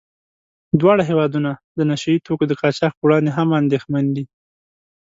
دواړه هېوادونه د نشه يي توکو د قاچاق په وړاندې هم اندېښمن دي.